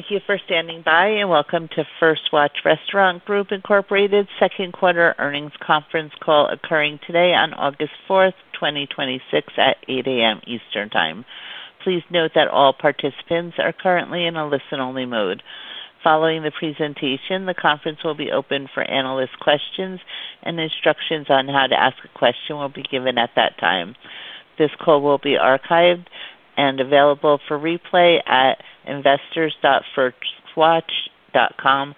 Thank you for standing by, and welcome to First Watch Restaurant Group, Inc second quarter earnings conference call occurring today on August 4, 2026 at 8:00 A.M. Eastern Time. Please note that all participants are currently in a listen-only mode. Following the presentation, the conference will be open for analyst questions, and instructions on how to ask a question will be given at that time. This call will be archived and available for replay at investors.firstwatch.com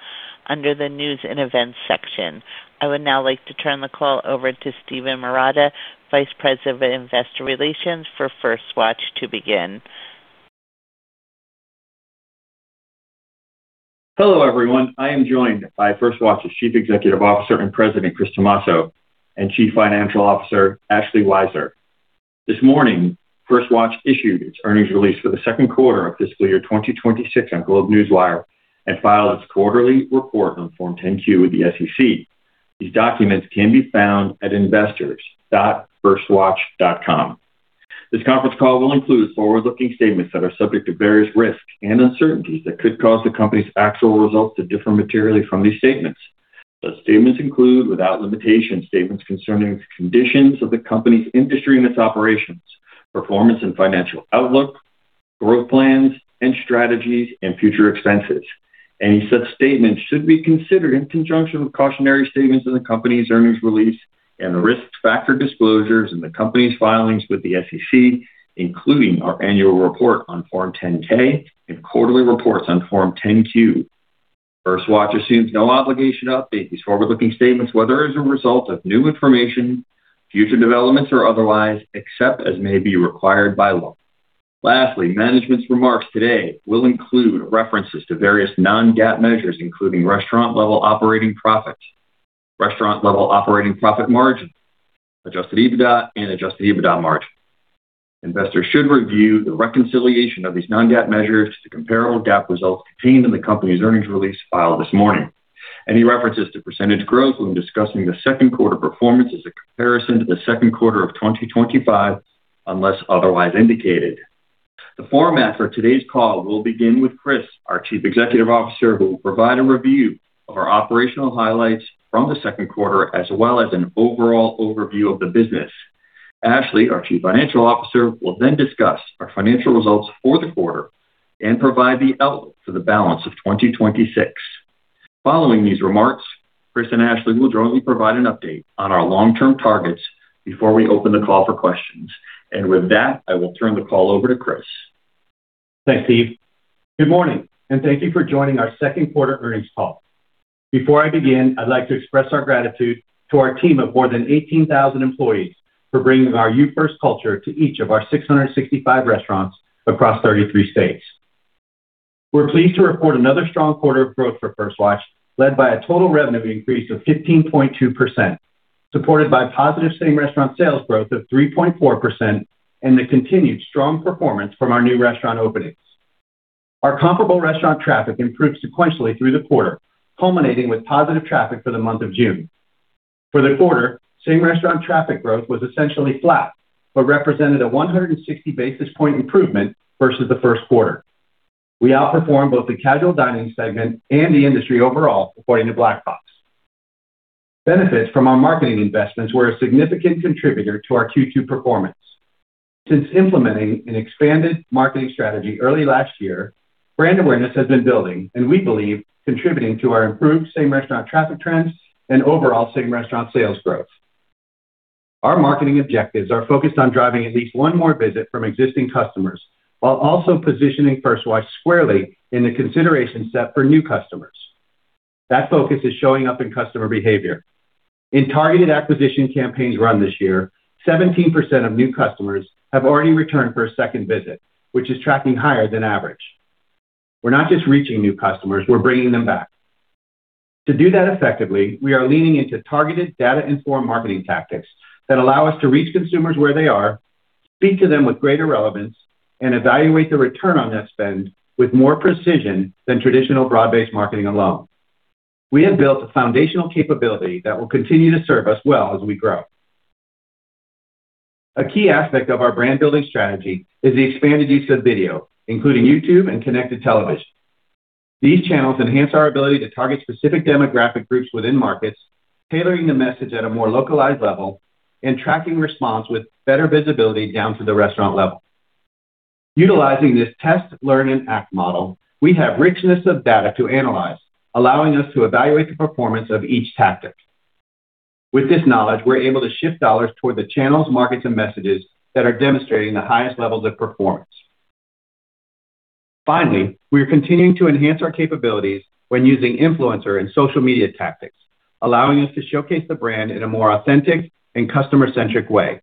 under the News and Events section. I would now like to turn the call over to Steven Marotta, Vice President of Investor Relations for First Watch, to begin. Hello, everyone. I am joined by First Watch's Chief Executive Officer and President, Chris Tomasso, and Chief Financial Officer, Ashlee Weisser. This morning, First Watch issued its earnings release for the second quarter of fiscal year 2026 on GlobeNewswire and filed its quarterly report on Form 10-Q with the SEC. These documents can be found at investors.firstwatch.com. This conference call will include forward-looking statements that are subject to various risks and uncertainties that could cause the company's actual results to differ materially from these statements. Such statements include, without limitation, statements concerning the conditions of the company's industry and its operations, performance and financial outlook, growth plans and strategies, and future expenses. Any such statements should be considered in conjunction with cautionary statements in the company's earnings release and the risks factor disclosures in the company's filings with the SEC, including our annual report on Form 10-K and quarterly reports on Form 10-Q. First Watch assumes no obligation to update these forward-looking statements, whether as a result of new information, future developments, or otherwise, except as may be required by law. Lastly, management's remarks today will include references to various non-GAAP measures, including restaurant-level operating profits, restaurant-level operating profit margin, adjusted EBITDA, and adjusted EBITDA margin. Investors should review the reconciliation of these non-GAAP measures to comparable GAAP results contained in the company's earnings release filed this morning. Any references to percentage growth when discussing the second quarter performance is a comparison to the second quarter of 2025, unless otherwise indicated. The format for today's call will begin with Chris, our Chief Executive Officer, who will provide a review of our operational highlights from the second quarter, as well as an overall overview of the business. Ashlee, our Chief Financial Officer, will then discuss our financial results for the quarter and provide the outlook for the balance of 2026. Following these remarks, Chris and Ashlee will jointly provide an update on our long-term targets before we open the call for questions. And with that, I will turn the call over to Chris. Thanks, Steve. Good morning, and thank you for joining our second quarter earnings call. Before I begin, I'd like to express our gratitude to our team of more than 18,000 employees for bringing our You First culture to each of our 665 restaurants across 33 states. We are pleased to report another strong quarter of growth for First Watch, led by a total revenue increase of 15.2%, supported by positive same-restaurant sales growth of 3.4% and the continued strong performance from our new restaurant openings. Our comparable restaurant traffic improved sequentially through the quarter, culminating with positive traffic for the month of June. For the quarter, same-restaurant traffic growth was essentially flat but represented a 160 basis point improvement versus the first quarter. We outperformed both the casual dining segment and the industry overall, according to Black Box. Benefits from our marketing investments were a significant contributor to our Q2 performance. Since implementing an expanded marketing strategy early last year, brand awareness has been building and, we believe, contributing to our improved same-restaurant traffic trends and overall same-restaurant sales growth. Our marketing objectives are focused on driving at least one more visit from existing customers while also positioning First Watch squarely in the consideration set for new customers. That focus is showing up in customer behavior. In targeted acquisition campaigns run this year, 17% of new customers have already returned for a second visit, which is tracking higher than average. We are not just reaching new customers, we are bringing them back. To do that effectively, we are leaning into targeted data-informed marketing tactics that allow us to reach consumers where they are, speak to them with greater relevance, and evaluate the return on that spend with more precision than traditional broad-based marketing alone. We have built a foundational capability that will continue to serve us well as we grow. A key aspect of our brand-building strategy is the expanded use of video, including YouTube and connected television. These channels enhance our ability to target specific demographic groups within markets, tailoring the message at a more localized level, and tracking response with better visibility down to the restaurant level. Utilizing this test, learn, and act model, we have richness of data to analyze, allowing us to evaluate the performance of each tactic. With this knowledge, we are able to shift dollars toward the channels, markets, and messages that are demonstrating the highest levels of performance. Finally, we are continuing to enhance our capabilities when using influencer and social media tactics, allowing us to showcase the brand in a more authentic and customer-centric way.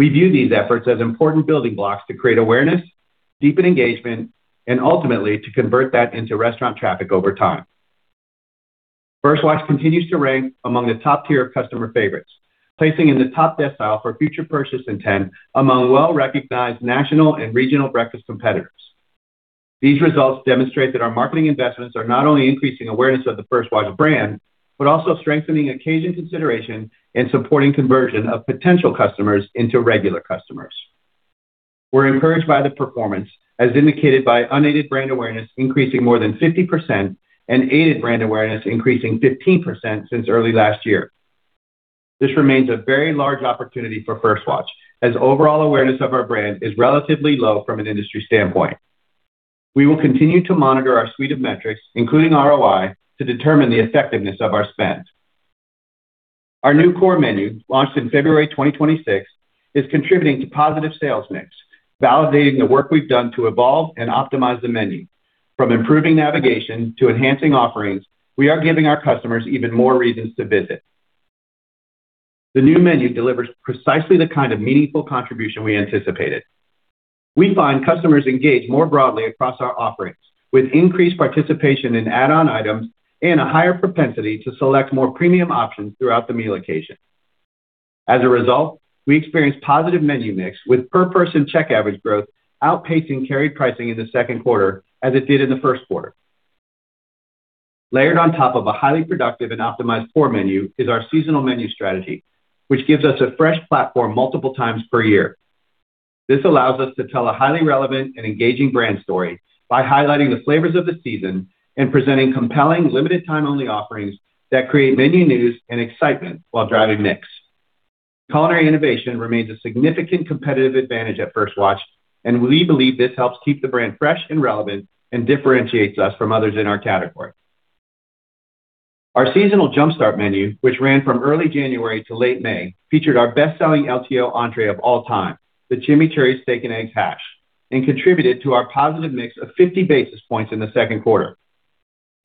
We view these efforts as important building blocks to create awareness, deepen engagement, and ultimately to convert that into restaurant traffic over time. First Watch continues to rank among the top tier of customer favorites, placing in the top decile for future purchase intent among well-recognized national and regional breakfast competitors. These results demonstrate that our marketing investments are not only increasing awareness of the First Watch brand but also strengthening occasion consideration and supporting conversion of potential customers into regular customers. We are encouraged by the performance, as indicated by unaided brand awareness increasing more than 50% and aided brand awareness increasing 15% since early last year. This remains a very large opportunity for First Watch, as overall awareness of our brand is relatively low from an industry standpoint. We will continue to monitor our suite of metrics, including ROI, to determine the effectiveness of our spend. Our new core menu, launched in February 2026, is contributing to positive sales mix, validating the work we've done to evolve and optimize the menu. From improving navigation to enhancing offerings, we are giving our customers even more reasons to visit. The new menu delivers precisely the kind of meaningful contribution we anticipated. We find customers engage more broadly across our offerings, with increased participation in add-on items and a higher propensity to select more premium options throughout the meal occasion. As a result, we experienced positive menu mix with per person check average growth outpacing carried pricing in the second quarter as it did in the first quarter. Layered on top of a highly productive and optimized core menu is our seasonal menu strategy, which gives us a fresh platform multiple times per year. This allows us to tell a highly relevant and engaging brand story by highlighting the flavors of the season and presenting compelling limited-time-only offerings that create menu news and excitement while driving mix. Culinary innovation remains a significant competitive advantage at First Watch. We believe this helps keep the brand fresh and relevant and differentiates us from others in our category. Our seasonal jumpstart menu, which ran from early January to late May, featured our best-selling LTO entree of all time, the Chimichurri Steak & Eggs Hash, and contributed to our positive mix of 50 basis points in the second quarter.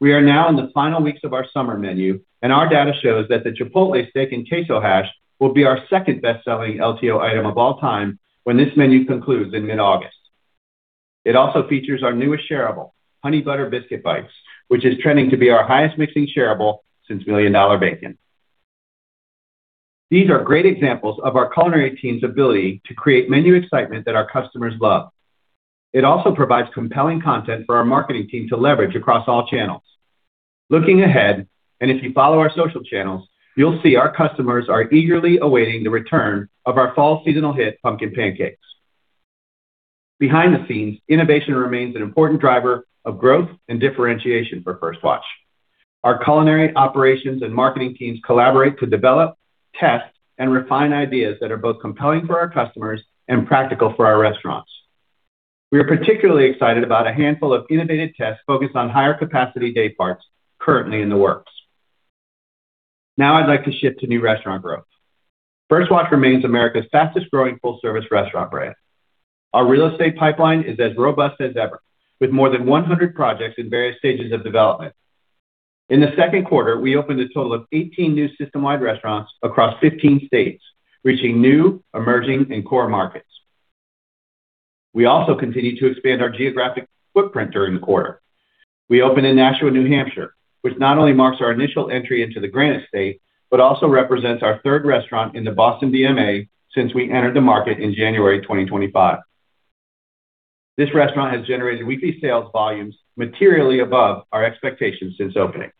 We are now in the final weeks of our summer menu. Our data shows that the Chipotle Steak and Queso Hash will be our second best-selling LTO item of all time when this menu concludes in mid-August. It also features our newest shareable, Honey Butter Biscuit Bites, which is trending to be our highest mixing shareable since Million Dollar Bacon. These are great examples of our culinary team's ability to create menu excitement that our customers love. It also provides compelling content for our marketing team to leverage across all channels. Looking ahead, if you follow our social channels, you'll see our customers are eagerly awaiting the return of our fall seasonal hit, Pumpkin Pancakes. Behind the scenes, innovation remains an important driver of growth and differentiation for First Watch. Our culinary operations and marketing teams collaborate to develop, test, and refine ideas that are both compelling for our customers and practical for our restaurants. We are particularly excited about a handful of innovative tests focused on higher capacity day parts currently in the works. I'd like to shift to new restaurant growth. First Watch remains America's fastest growing full service restaurant brand. Our real estate pipeline is as robust as ever, with more than 100 projects in various stages of development. In the second quarter, we opened a total of 18 new system-wide restaurants across 15 states, reaching new, emerging, and core markets. We also continued to expand our geographic footprint during the quarter. We opened in Nashua, New Hampshire, which not only marks our initial entry into the Granite State, but also represents our third restaurant in the Boston DMA since we entered the market in January 2025. This restaurant has generated weekly sales volumes materially above our expectations since opening.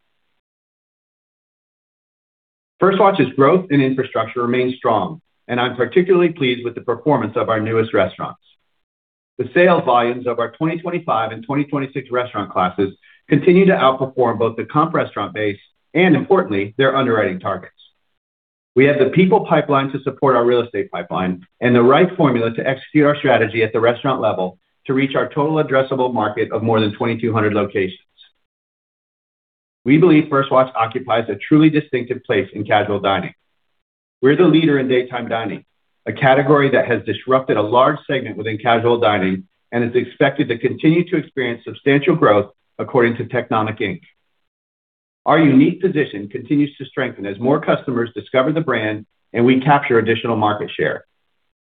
First Watch's growth and infrastructure remain strong. I'm particularly pleased with the performance of our newest restaurants. The sales volumes of our 2025 and 2026 restaurant classes continue to outperform both the comp restaurant base and, importantly, their underwriting targets. We have the people pipeline to support our real estate pipeline and the right formula to execute our strategy at the restaurant level to reach our total addressable market of more than 2,200 locations. We believe First Watch occupies a truly distinctive place in casual dining. We're the leader in daytime dining, a category that has disrupted a large segment within casual dining and is expected to continue to experience substantial growth according to Technomic Inc Our unique position continues to strengthen as more customers discover the brand and we capture additional market share.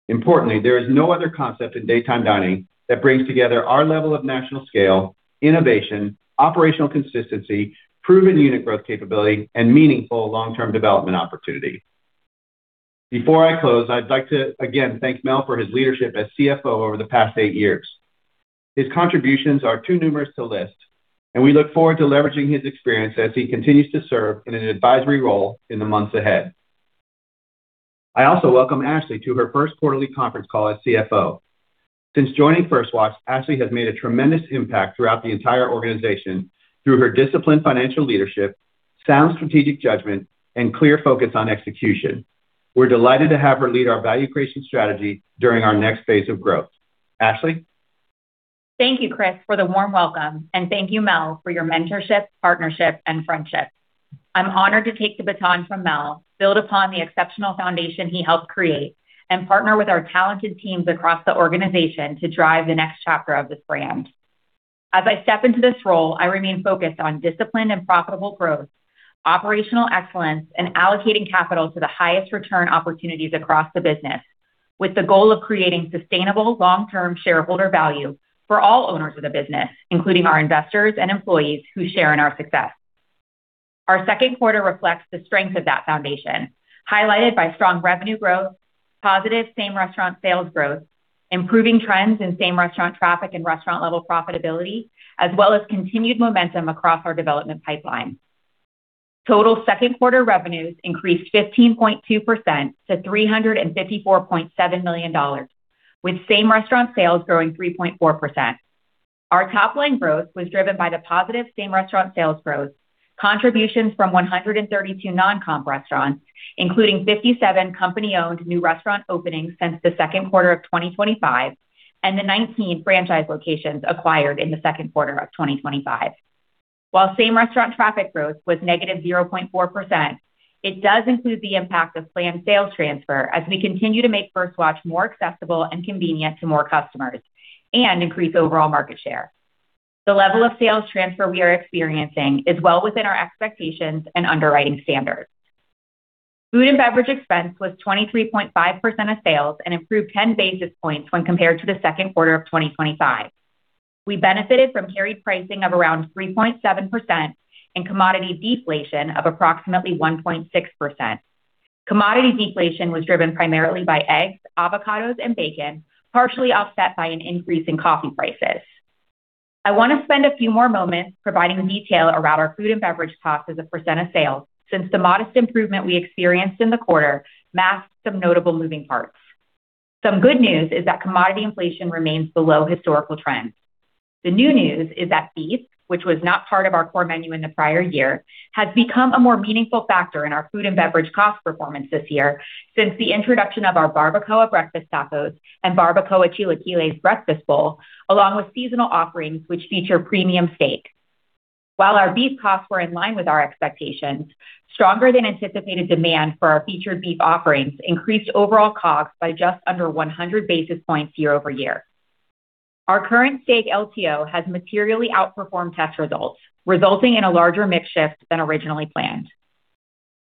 Importantly, there is no other concept in daytime dining that brings together our level of national scale, innovation, operational consistency, proven unit growth capability, and meaningful long-term development opportunity. Before I close, I'd like to again thank Mel Hope for his leadership as CFO over the past eight years. His contributions are too numerous to list, and we look forward to leveraging his experience as he continues to serve in an advisory role in the months ahead. I also welcome Ashlee to her first quarterly conference call as CFO. Since joining First Watch, Ashlee has made a tremendous impact throughout the entire organization through her disciplined financial leadership, sound strategic judgment, and clear focus on execution. We're delighted to have her lead our value creation strategy during our next phase of growth. Ashlee? Thank you, Chris for the warm welcome, and thank you, Mel Hope, for your mentorship, partnership, and friendship. I'm honored to take the baton from Mel Hope, build upon the exceptional foundation he helped create, and partner with our talented teams across the organization to drive the next chapter of this brand. As I step into this role, I remain focused on disciplined and profitable growth, operational excellence, and allocating capital to the highest return opportunities across the business with the goal of creating sustainable long-term shareholder value for all owners of the business, including our investors and employees who share in our success. Our second quarter reflects the strength of that foundation, highlighted by strong revenue growth, positive same restaurant sales growth, improving trends in same restaurant traffic and restaurant-level profitability, as well as continued momentum across our development pipeline. Total second quarter revenues increased 15.2% to $354.7 million, with same-restaurant sales growing 3.4%. Our top-line growth was driven by the positive same-restaurant sales growth, contributions from 132 non-comp restaurants, including 57 company-owned new restaurant openings since the second quarter of 2025, and the 19 franchise locations acquired in the second quarter of 2025. While same-restaurant traffic growth was -0.4%, it does include the impact of planned sales transfer as we continue to make First Watch more accessible and convenient to more customers and increase overall market share. The level of sales transfer we are experiencing is well within our expectations and underwriting standards. Food and beverage expense was 23.5% of sales and improved 10 basis points when compared to the second quarter of 2025. We benefited from carry pricing of around 3.7% and commodity deflation of approximately 1.6%. Commodity deflation was driven primarily by eggs, avocados, and bacon, partially offset by an increase in coffee prices. I want to spend a few more moments providing detail around our food and beverage cost as a percent of sales since the modest improvement we experienced in the quarter masks some notable moving parts. Some good news is that commodity inflation remains below historical trends. The new news is that beef, which was not part of our core menu in the prior year, has become a more meaningful factor in our food and beverage cost performance this year since the introduction of our Barbacoa Breakfast Tacos and Barbacoa Chilaquiles Breakfast Bowl, along with seasonal offerings which feature premium steak. While our beef costs were in line with our expectations, stronger than anticipated demand for our featured beef offerings increased overall costs by just under 100 basis points year-over-year. Our current steak LTO has materially outperformed test results, resulting in a larger mix shift than originally planned.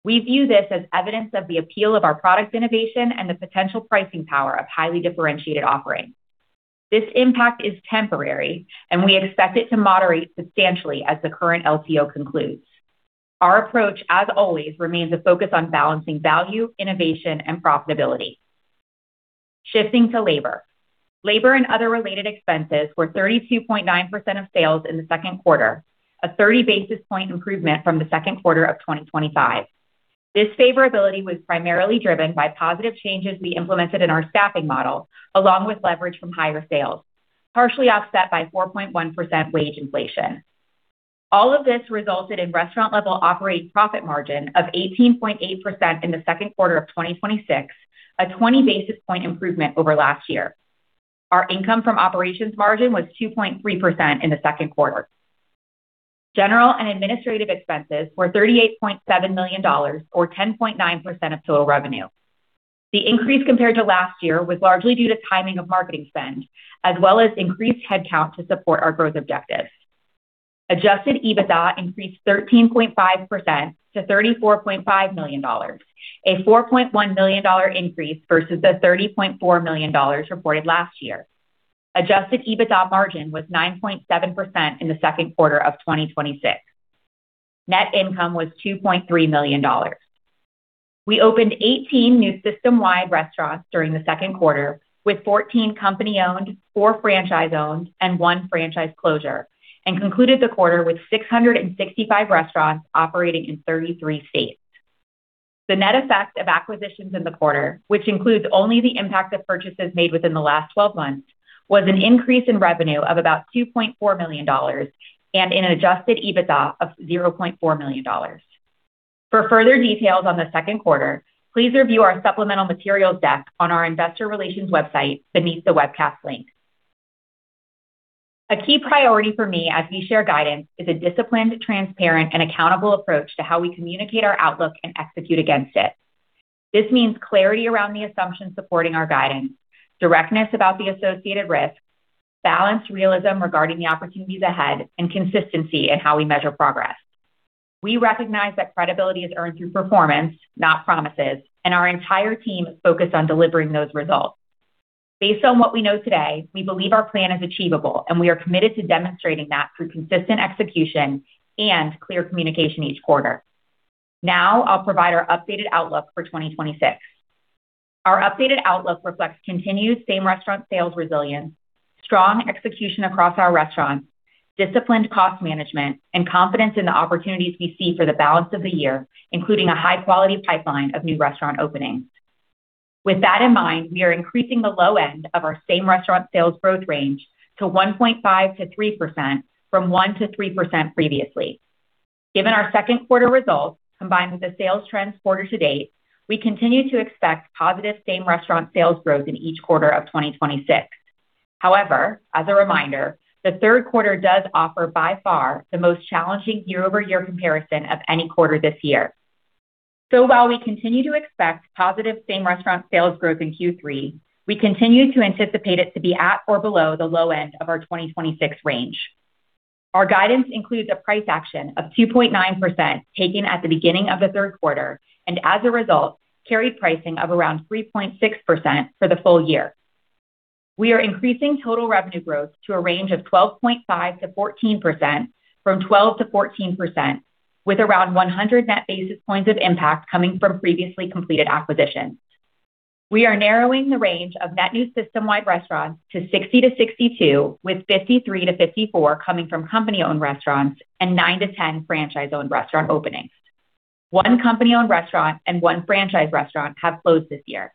We view this as evidence of the appeal of our product innovation and the potential pricing power of highly differentiated offerings. This impact is temporary, and we expect it to moderate substantially as the current LTO concludes. Our approach, as always, remains a focus on balancing value, innovation, and profitability. Shifting to labor. Labor and other related expenses were 32.9% of sales in the second quarter, a 30 basis point improvement from the second quarter of 2025. This favorability was primarily driven by positive changes we implemented in our staffing model, along with leverage from higher sales, partially offset by 4.1% wage inflation. All of this resulted in restaurant-level operating profit margin of 18.8% in the second quarter of 2026, a 20 basis point improvement over last year. Our income from operations margin was 2.3% in the second quarter. General and Administrative expenses were $38.7 million, or 10.9% of total revenue. The increase compared to last year was largely due to timing of marketing spend, as well as increased headcount to support our growth objectives. Adjusted EBITDA increased 13.5% to $34.5 million, a $4.1 million increase versus the $30.4 million reported last year. Adjusted EBITDA margin was 9.7% in the second quarter of 2026. Net income was $2.3 million. We opened 18 new system-wide restaurants during the second quarter with 14 company-owned, four franchise-owned, and one franchise closure, and concluded the quarter with 665 restaurants operating in 33 states. The net effect of acquisitions in the quarter, which includes only the impact of purchases made within the last 12 months, was an increase in revenue of about $2.4 million and an adjusted EBITDA of $0.4 million. For further details on the second quarter, please review our supplemental materials deck on our investor relations website beneath the webcast link. A key priority for me as we share guidance is a disciplined, transparent, and accountable approach to how we communicate our outlook and execute against it. This means clarity around the assumptions supporting our guidance, directness about the associated risks, balanced realism regarding the opportunities ahead, and consistency in how we measure progress. We recognize that credibility is earned through performance, not promises, and our entire team is focused on delivering those results. Based on what we know today, we believe our plan is achievable, and we are committed to demonstrating that through consistent execution and clear communication each quarter. Now, I'll provide our updated outlook for 2026. Our updated outlook reflects continued same-restaurant sales resilience, strong execution across our restaurants, disciplined cost management, and confidence in the opportunities we see for the balance of the year, including a high-quality pipeline of new restaurant openings. With that in mind, we are increasing the low end of our same-restaurant sales growth range to 1.5%-3% from 1%-3% previously. Given our second quarter results, combined with the sales trends quarter to date, we continue to expect positive same-restaurant sales growth in each quarter of 2026. However, as a reminder, the third quarter does offer by far the most challenging year-over-year comparison of any quarter this year. While we continue to expect positive same-restaurant sales growth in Q3, we continue to anticipate it to be at or below the low end of our 2026 range. Our guidance includes a price action of 2.9% taken at the beginning of the third quarter. As a result, carry pricing of around 3.6% for the full-year. We are increasing total revenue growth to a range of 12.5%-14%, from 12%-14%, with around 100 net basis points of impact coming from previously completed acquisitions. We are narrowing the range of net new system-wide restaurants to 60-62, with 53-54 coming from company-owned restaurants and 9-10 franchise-owned restaurant openings. One company-owned restaurant and one franchise restaurant have closed this year.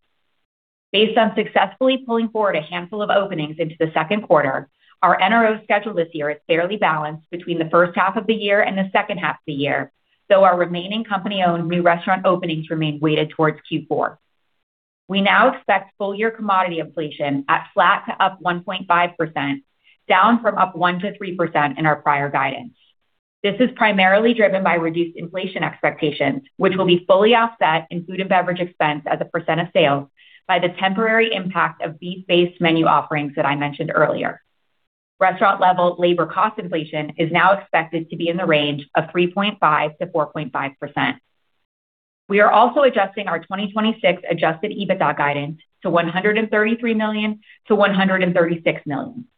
Based on successfully pulling forward a handful of openings into the second quarter, our NRO schedule this year is fairly balanced between the first half of the year and the second half of the year, though our remaining company-owned new restaurant openings remain weighted towards Q4. We now expect full-year commodity inflation at flat to up 1.5%, down from up 1%-3% in our prior guidance. This is primarily driven by reduced inflation expectations, which will be fully offset in food and beverage expense as a percent of sales by the temporary impact of beef-based menu offerings that I mentioned earlier. Restaurant-level labor cost inflation is now expected to be in the range of 3.5%-4.5%. We are also adjusting our 2026 adjusted EBITDA guidance to $133 million-$136 million.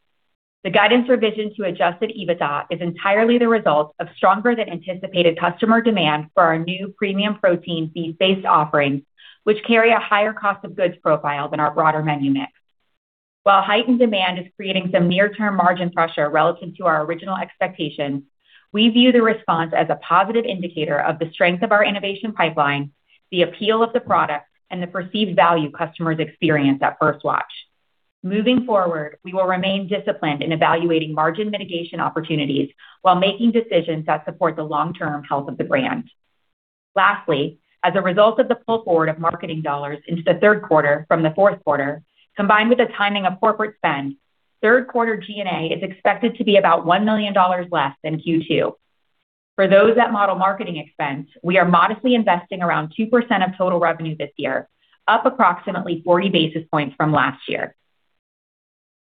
The guidance revision to adjusted EBITDA is entirely the result of stronger than anticipated customer demand for our new premium protein beef-based offerings, which carry a higher cost of goods profile than our broader menu mix. While heightened demand is creating some near-term margin pressure relative to our original expectations, we view the response as a positive indicator of the strength of our innovation pipeline, the appeal of the product, and the perceived value customers experience at First Watch. Moving forward, we will remain disciplined in evaluating margin mitigation opportunities while making decisions that support the long-term health of the brand. Lastly, as a result of the pull forward of marketing dollars into the third quarter from the fourth quarter, combined with the timing of corporate spend, third quarter G&A is expected to be about $1 million less than Q2. For those that model marketing expense, we are modestly investing around 2% of total revenue this year, up approximately 40 basis points from last year.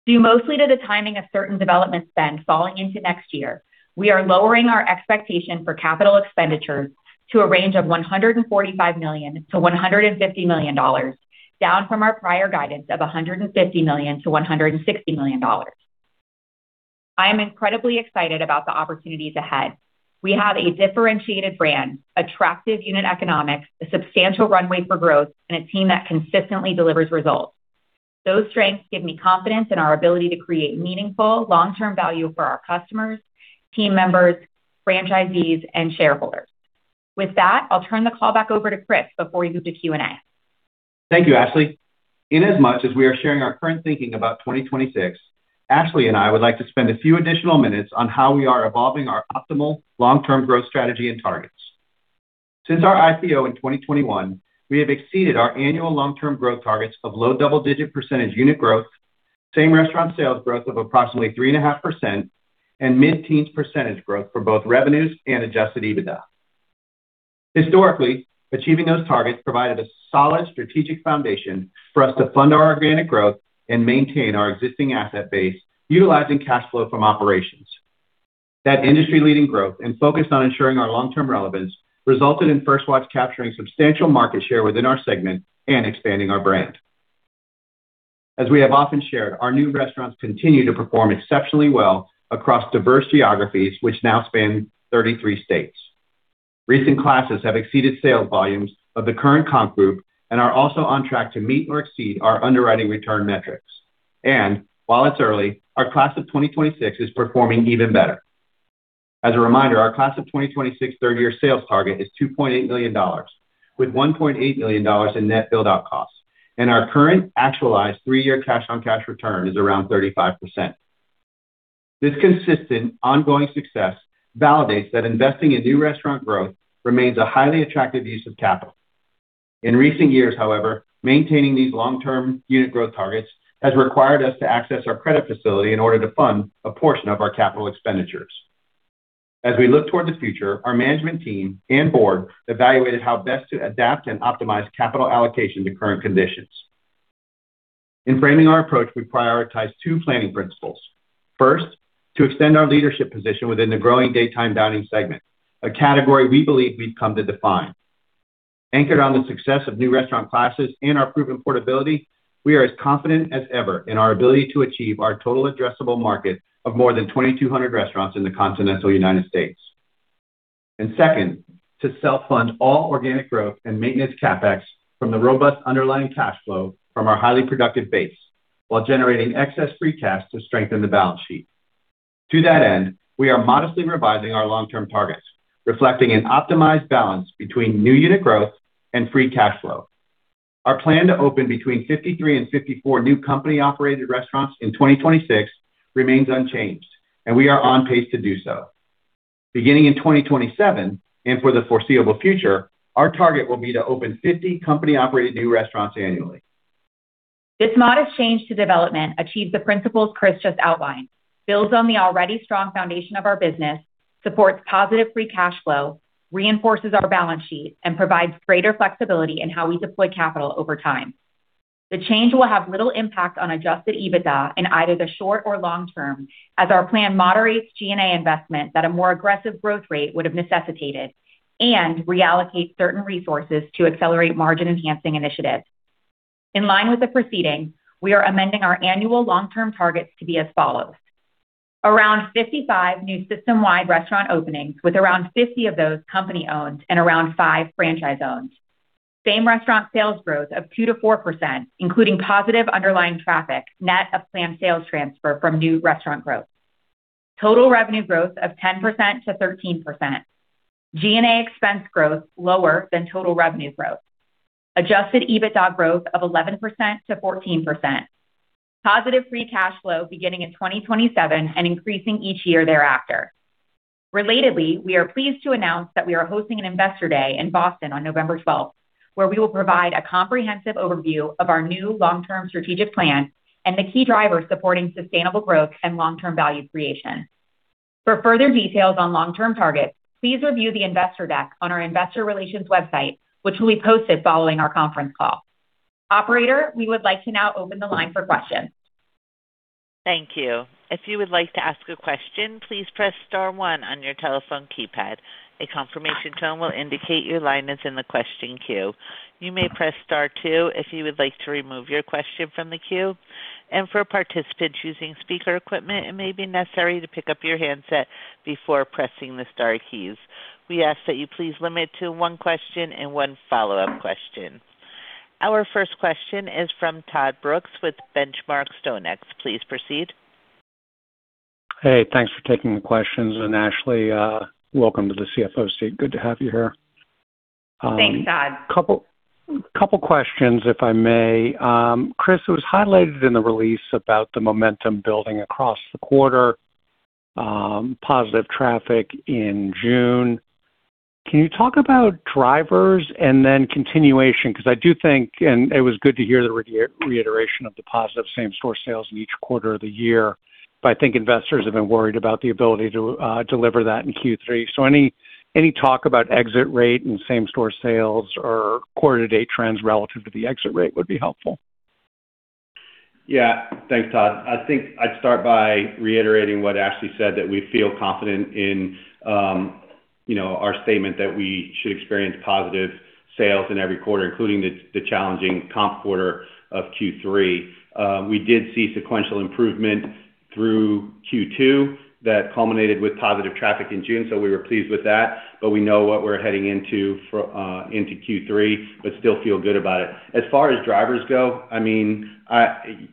Due mostly to the timing of certain development spend falling into next year, we are lowering our expectation for capital expenditures to a range of $145 million-$150 million, down from our prior guidance of $150 million-$160 million. I am incredibly excited about the opportunities ahead. We have a differentiated brand, attractive unit economics, a substantial runway for growth, and a team that consistently delivers results. Those strengths give me confidence in our ability to create meaningful long-term value for our customers, team members, franchisees, and shareholders. With that, I'll turn the call back over to Chris before we move to Q&A. Thank you, Ashlee. In as much as we are sharing our current thinking about 2026, Ashlee and I would like to spend a few additional minutes on how we are evolving our optimal long-term growth strategy and targets. Since our IPO in 2021, we have exceeded our annual long-term growth targets of low double-digit percentage unit growth, same-restaurant sales growth of approximately 3.5%, and mid-teens percentage growth for both revenues and adjusted EBITDA. Historically, achieving those targets provided a solid strategic foundation for us to fund our organic growth and maintain our existing asset base utilizing cash flow from operations. That industry-leading growth and focus on ensuring our long-term relevance resulted in First Watch capturing substantial market share within our segment and expanding our brand. As we have often shared, our new restaurants continue to perform exceptionally well across diverse geographies, which now span 33 states. Recent classes have exceeded sales volumes of the current comp group and are also on track to meet or exceed our underwriting return metrics. While it's early, our class of 2026 is performing even better. As a reminder, our class of 2026 third-year sales target is $2.8 million, with $1.8 million in net build-out costs, and our current actualized three-year cash on cash return is around 35%. This consistent, ongoing success validates that investing in new restaurant growth remains a highly attractive use of capital. In recent years, however, maintaining these long-term unit growth targets has required us to access our credit facility in order to fund a portion of our capital expenditures. As we look toward the future, our management team and board evaluated how best to adapt and optimize capital allocation to current conditions. In framing our approach, we prioritize two planning principles. First, to extend our leadership position within the growing daytime dining segment, a category we believe we've come to define. Anchored on the success of new restaurant classes and our proven portability, we are as confident as ever in our ability to achieve our total addressable market of more than 2,200 restaurants in the continental U.S. Second, to self-fund all organic growth and maintenance CapEx from the robust underlying cash flow from our highly productive base while generating excess free cash to strengthen the balance sheet. To that end, we are modestly revising our long-term targets, reflecting an optimized balance between new unit growth and free cash flow. Our plan to open between 53 and 54 new company-operated restaurants in 2026 remains unchanged, and we are on pace to do so. Beginning in 2027, and for the foreseeable future, our target will be to open 50 company-operated new restaurants annually. This modest change to development achieves the principles Chris just outlined, builds on the already strong foundation of our business, supports positive free cash flow, reinforces our balance sheet, and provides greater flexibility in how we deploy capital over time. The change will have little impact on adjusted EBITDA in either the short or long term, as our plan moderates G&A investment that a more aggressive growth rate would have necessitated and reallocate certain resources to accelerate margin-enhancing initiatives. In line with the proceeding, we are amending our annual long-term targets to be as follows. Around 55 new system-wide restaurant openings, with around 50 of those company-owned and around five franchise-owned. Same-restaurant sales growth of 2%-4%, including positive underlying traffic, net of planned sales transfer from new restaurant growth. Total revenue growth of 10%-13%. G&A expense growth lower than total revenue growth. Adjusted EBITDA growth of 11%-14%. Positive free cash flow beginning in 2027 and increasing each year thereafter. Relatedly, we are pleased to announce that we are hosting an Investor Day in Boston on November 12th, where we will provide a comprehensive overview of our new long-term strategic plan and the key drivers supporting sustainable growth and long-term value creation. For further details on long-term targets, please review the investor deck on our investor relations website, which will be posted following our conference call. Operator, we would like to now open the line for questions. Thank you. If you would like to ask a question, please press star one on your telephone keypad. A confirmation tone will indicate your line is in the question queue. You may press star two if you would like to remove your question from the queue. For participants using speaker equipment, it may be necessary to pick up your handset before pressing the star keys. We ask that you please limit to one question and one follow-up question. Our first question is from Todd Brooks with Benchmark StoneX. Please proceed. Hey, thanks for taking the questions. Ashlee, welcome to the CFO seat. Good to have you here. Thanks, Todd. Couple questions, if I may. Chris, it was highlighted in the release about the momentum building across the quarter, positive traffic in June. Can you talk about drivers and then continuation? I do think, and it was good to hear the reiteration of the positive same-store sales in each quarter of the year. I think investors have been worried about the ability to deliver that in Q3. Any talk about exit rate and same-store sales or quarter-to-date trends relative to the exit rate would be helpful. Yeah. Thanks, Todd. I think I'd start by reiterating what Ashlee said, that we feel confident in our statement that we should experience positive sales in every quarter, including the challenging comp quarter of Q3. We did see sequential improvement through Q2 that culminated with positive traffic in June. We were pleased with that. We know what we're heading into Q3. Still feel good about it. As far as drivers go,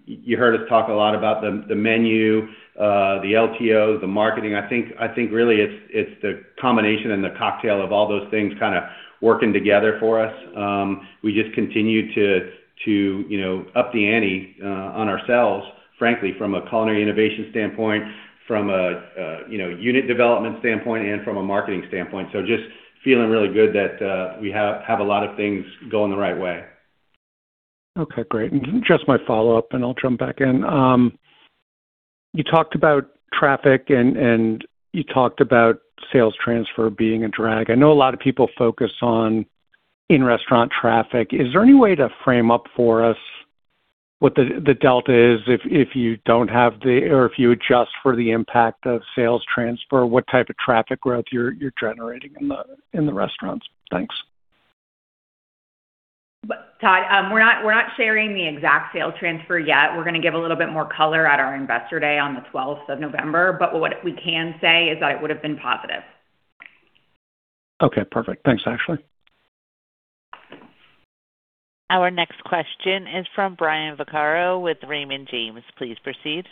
you heard us talk a lot about the menu, the LTO, the marketing. I think really it's the combination and the cocktail of all those things kind of working together for us. We just continue to up the ante on ourselves, frankly, from a culinary innovation standpoint, from a unit development standpoint, and from a marketing standpoint. Just feeling really good that we have a lot of things going the right way. Okay, great. Just my follow-up, I'll jump back in. You talked about traffic, you talked about sales transfer being a drag. I know a lot of people focus on in-restaurant traffic. Is there any way to frame up for us what the delta is if you adjust for the impact of sales transfer, what type of traffic growth you're generating in the restaurants? Thanks. Todd, we're not sharing the exact sales transfer yet. We're going to give a little bit more color at our Investor Day on the 12th of November. What we can say is that it would've been positive. Okay, perfect. Thanks, Ashlee. Our next question is from Brian Vaccaro with Raymond James. Please proceed.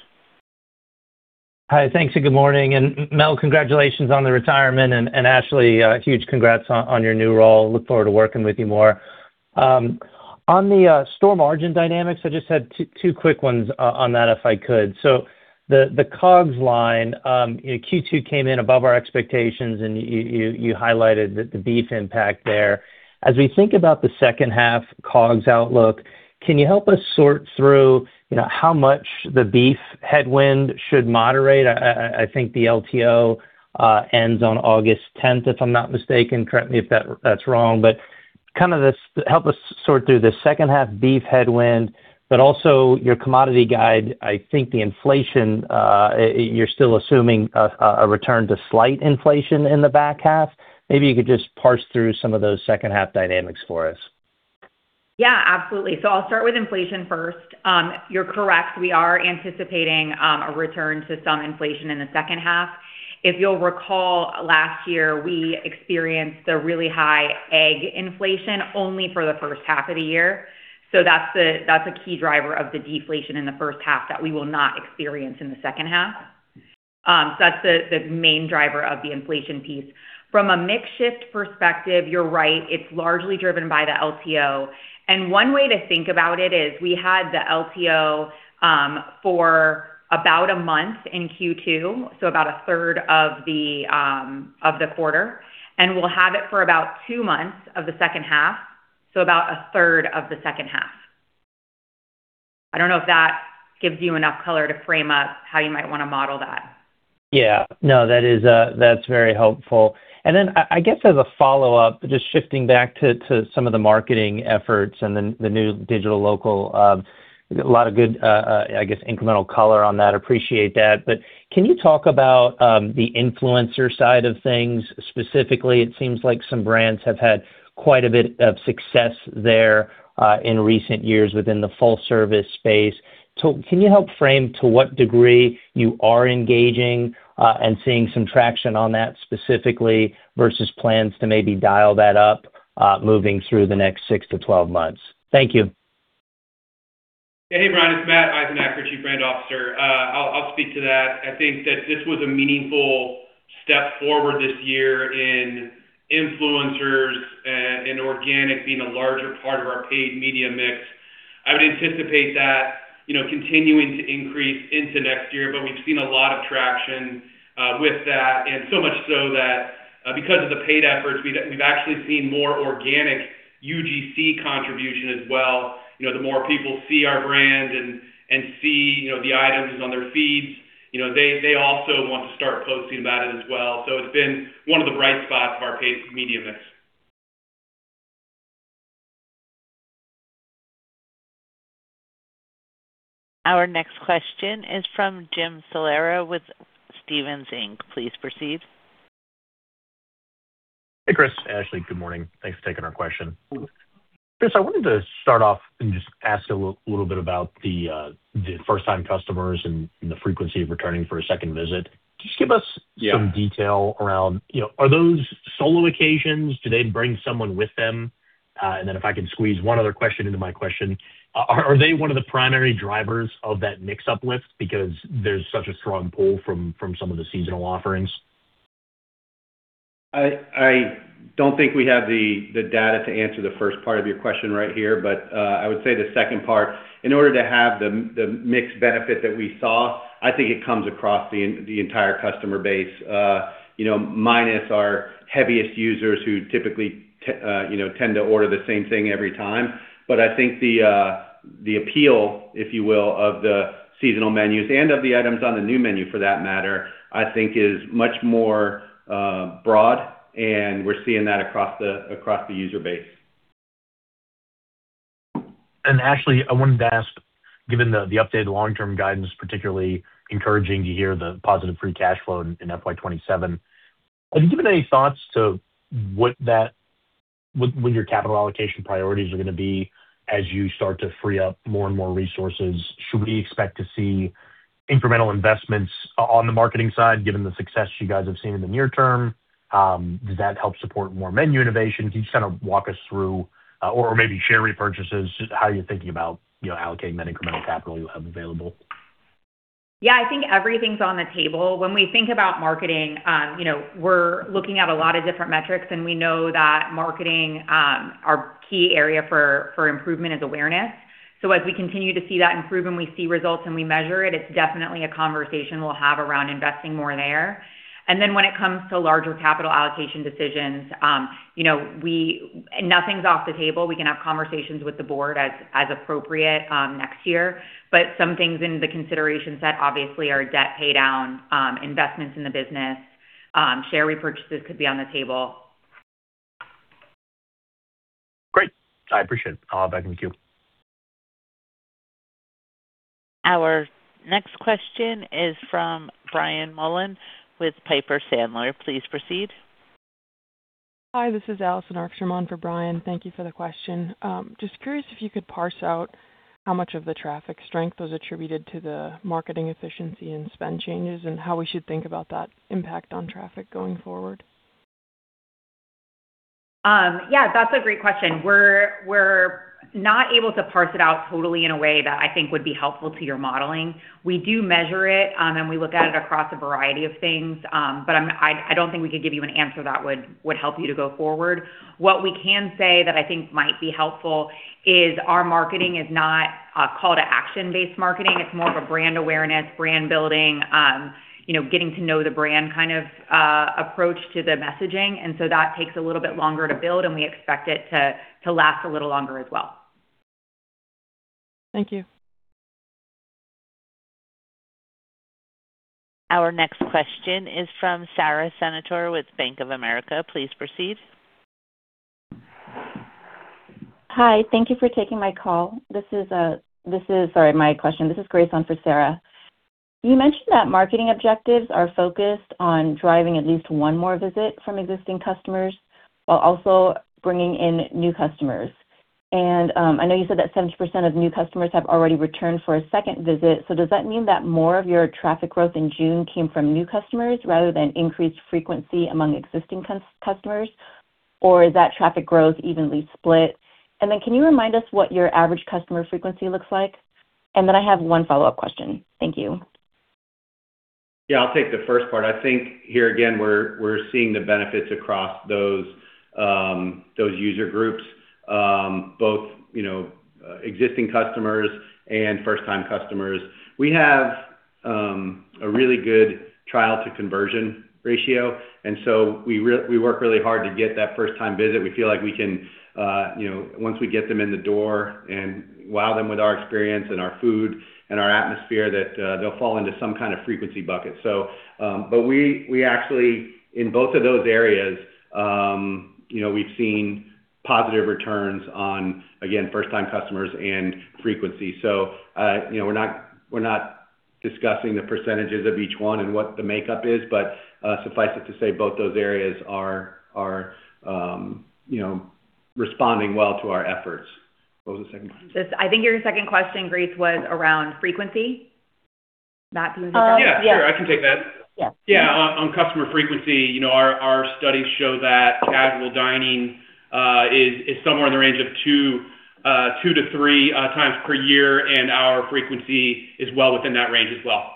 Hi, thanks. Good morning. Mel, congratulations on the retirement. Ashlee, huge congrats on your new role. Look forward to working with you more. On the store margin dynamics, I just had two quick ones on that, if I could. The COGS line, Q2 came in above our expectations, and you highlighted the beef impact there. As we think about the second half COGS outlook, can you help us sort through how much the beef headwind should moderate? I think the LTO ends on August 10th, if I'm not mistaken. Correct me if that's wrong. Help us sort through the second half beef headwind, but also your commodity guide, I think the inflation, you're still assuming a return to slight inflation in the back half. Maybe you could just parse through some of those second half dynamics for us. Yeah, absolutely. I'll start with inflation first. You're correct, we are anticipating a return to some inflation in the second half. If you'll recall, last year, we experienced the really high egg inflation only for the first half of the year. That's a key driver of the deflation in the first half that we will not experience in the second half. That's the main driver of the inflation piece. From a mix shift perspective, you're right. It's largely driven by the LTO. One way to think about it is we had the LTO for about a month in Q2, so about 1/3 of the quarter, and we'll have it for about two months of the second half, so about 1/3 of the second half. I don't know if that gives you enough color to frame up how you might want to model that. Yeah. No, that's very helpful. Then I guess as a follow-up, just shifting back to some of the marketing efforts and the new digital local. A lot of good, I guess, incremental color on that. Appreciate that. Can you talk about the influencer side of things specifically? It seems like some brands have had quite a bit of success there in recent years within the full-service space. Can you help frame to what degree you are engaging and seeing some traction on that specifically versus plans to maybe dial that up moving through the next 6-12 months? Thank you. Hey, Brian, it's Matt Eisenacher, Chief Brand Officer. I'll speak to that. I think that this was a meaningful step forward this year in influencers and organic being a larger part of our paid media mix. I would anticipate that continuing to increase into next year. We've seen a lot of traction with that, and so much so that because of the paid efforts, we've actually seen more organic UGC contribution as well. The more people see our brand and see the items on their feeds, they also want to start posting about it as well. It's been one of the bright spots of our paid media mix. Our next question is from Jim Salera with Stephens Inc Please proceed. Hey, Chris, Ashlee. Good morning. Thanks for taking our question. Chris, I wanted to start off and just ask a little bit about the first-time customers and the frequency of returning for a second visit. Just give us- Yeah Some detail around, are those solo occasions? Do they bring someone with them? If I can squeeze one other question into my question, are they one of the primary drivers of that mix uplift because there's such a strong pull from some of the seasonal offerings? I don't think we have the data to answer the first part of your question right here, but I would say the second part, in order to have the mix benefit that we saw, I think it comes across the entire customer base, minus our heaviest users who typically tend to order the same thing every time. I think the appeal, if you will, of the seasonal menus and of the items on the new menu, for that matter, I think is much more broad, and we're seeing that across the user base. Ashlee, I wanted to ask, given the updated long-term guidance, particularly encouraging to hear the positive free cash flow in FY 2027, have you given any thoughts to what your capital allocation priorities are going to be as you start to free up more and more resources? Should we expect to see incremental investments on the marketing side, given the success you guys have seen in the near term? Does that help support more menu innovations? Can you just kind of walk us through, or maybe share repurchases, how you're thinking about allocating that incremental capital you have available? Yeah, I think everything's on the table. When we think about marketing, we're looking at a lot of different metrics, and we know that marketing, our key area for improvement is awareness. As we continue to see that improve and we see results and we measure it's definitely a conversation we'll have around investing more there. When it comes to larger capital allocation decisions, nothing's off the table. We can have conversations with the board as appropriate next year. Some things in the consideration set obviously are debt paydown, investments in the business, share repurchases could be on the table. Great. I appreciate it. I'll back in the queue. Our next question is from Brian Mullan with Piper Sandler. Please proceed. Hi, this is Allison Arfstrom for Brian. Thank you for the question. Just curious if you could parse out how much of the traffic strength was attributed to the marketing efficiency and spend changes, and how we should think about that impact on traffic going forward. Yeah, that's a great question. We're not able to parse it out totally in a way that I think would be helpful to your modeling. We do measure it, and we look at it across a variety of things. I don't think we could give you an answer that would help you to go forward. What we can say that I think might be helpful is our marketing is not a call to action-based marketing. It's more of a brand awareness, brand building, getting to know the brand kind of approach to the messaging. That takes a little bit longer to build, and we expect it to last a little longer as well. Thank you. Our next question is from Sara Senatore with Bank of America. Please proceed. Hi. Thank you for taking my call. Sorry, my question. This is Grace on for Sara. You mentioned that marketing objectives are focused on driving at least one more visit from existing customers while also bringing in new customers. I know you said that 70% of new customers have already returned for a second visit. Does that mean that more of your traffic growth in June came from new customers rather than increased frequency among existing customers, or is that traffic growth evenly split? Can you remind us what your average customer frequency looks like? I have one follow-up question. Thank you. Yeah, I'll take the first part. I think here again, we're seeing the benefits across those user groups, both existing customers and first-time customers. We have a really good trial to conversion ratio. We work really hard to get that first-time visit. We feel like we can, once we get them in the door and wow them with our experience and our food and our atmosphere, that they'll fall into some kind of frequency bucket. We actually, in both of those areas, we've seen positive returns on, again, first-time customers and frequency. We're not discussing the percentages of each one and what the makeup is, but suffice it to say, both those areas are responding well to our efforts. What was the second question? I think your second question, Grace, was around frequency? Matt, do you want to take that? Yeah. Sure. I can take that. Yes. Yeah. On customer frequency, our studies show that casual dining is somewhere in the range of two to three times per year, and our frequency is well within that range as well.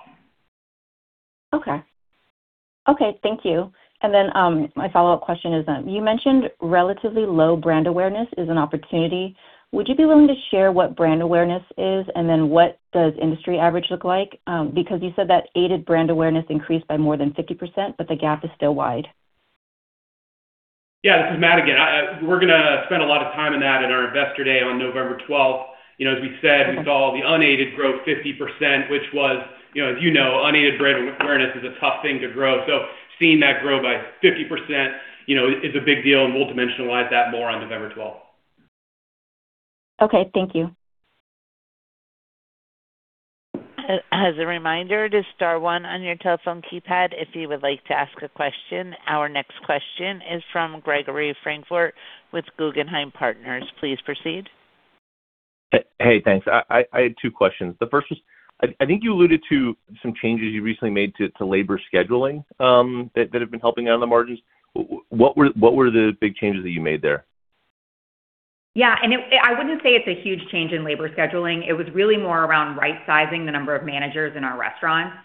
Okay. Thank you. My follow-up question is, you mentioned relatively low brand awareness is an opportunity. Would you be willing to share what brand awareness is, what does industry average look like? Because you said that aided brand awareness increased by more than 50%, the gap is still wide. Yeah, this is Matt again. We're going to spend a lot of time on that at our Investor Day on November 12th. As we said, we saw the unaided grow 50%, which was, as you know, unaided brand awareness is a tough thing to grow. Seeing that grow by 50% is a big deal, and we'll dimensionalize that more on November 12th. Okay. Thank you. As a reminder, it is star one on your telephone keypad if you would like to ask a question. Our next question is from Gregory Francfort with Guggenheim Partners. Please proceed. Hey, thanks. I had two questions. The first is, I think you alluded to some changes you recently made to labor scheduling that have been helping out on the margins. What were the big changes that you made there? Yeah. I wouldn't say it's a huge change in labor scheduling. It was really more around right-sizing the number of managers in our restaurants.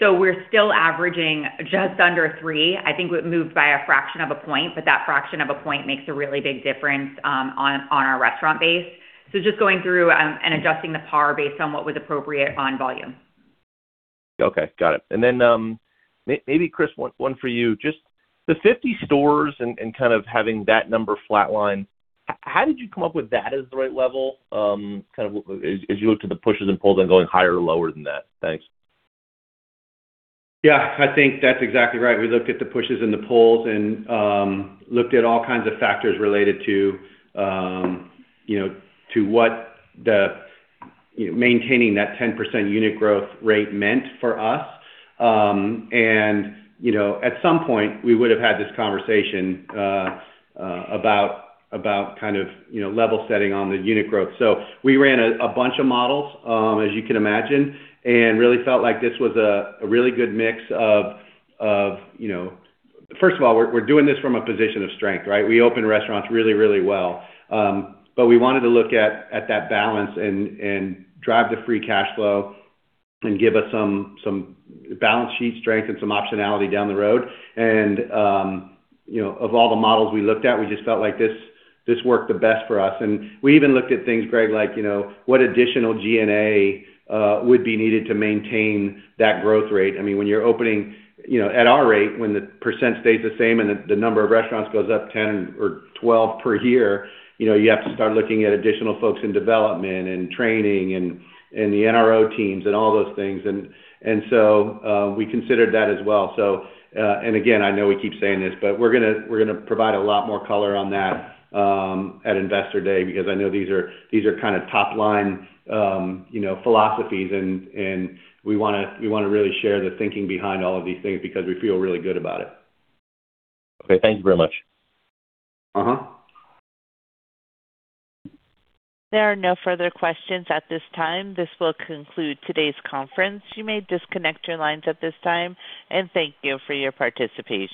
We're still averaging just under three. I think we moved by a fraction of a point, but that fraction of a point makes a really big difference on our restaurant base. Just going through and adjusting the par based on what was appropriate on volume. Okay, got it. Maybe Chris, one for you. Just the 50 stores and kind of having that number flatline, how did you come up with that as the right level as you looked at the pushes and pulls and going higher or lower than that? Thanks. Yeah. I think that's exactly right. We looked at the pushes and the pulls and looked at all kinds of factors related to maintaining that 10% unit growth rate meant for us. At some point, we would have had this conversation about level setting on the unit growth. We ran a bunch of models, as you can imagine, and really felt like this was a really good mix of First of all, we're doing this from a position of strength, right? We open restaurants really, really well. We wanted to look at that balance and drive the free cash flow and give us some balance sheet strength and some optionality down the road. Of all the models we looked at, we just felt like this worked the best for us. We even looked at things, Greg, like what additional G&A would be needed to maintain that growth rate. At our rate, when the percent stays the same and the number of restaurants goes up 10 or 12 per year, you have to start looking at additional folks in development and training and the NRO teams and all those things. We considered that as well. Again, I know we keep saying this, but we're going to provide a lot more color on that at Investor Day because I know these are top-line philosophies and we want to really share the thinking behind all of these things because we feel really good about it. Okay. Thank you very much. There are no further questions at this time. This will conclude today's conference. You may disconnect your lines at this time, and thank you for your participation.